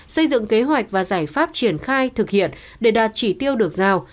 xây dựng kế hoạch và giải pháp triển khai thực hiện để đạt chỉ tiêu được giao